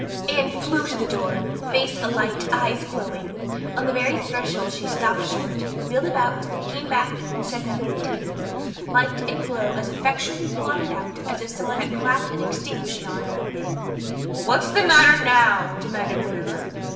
Anne flew to the door, face alight, eyes glowing. On the very threshold she stopped short, wheeled about, came back and sat down by the table, light and glow as effectually blotted out as if some one had clapped an extinguisher on her. "What's the matter now?" demanded Marilla.